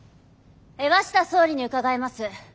鷲田総理に伺います。